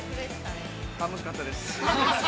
◆楽しかったです。